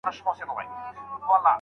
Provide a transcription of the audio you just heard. زوی د ساعتونو بازار ته ولاړ.